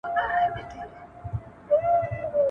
اپلېکېشن بښنه وغوښته.